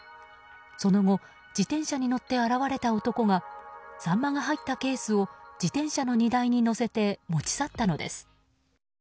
その後、自転車に乗って現れた男がサンマが入ったケースを自転車の荷台に載せて持ち去ったのです。